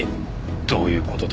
どういうことだ？